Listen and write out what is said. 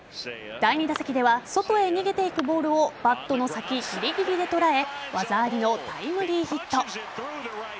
第２打席では外へ逃げていくボールをバットの先ぎりぎりで捉え技ありのタイムリーヒット。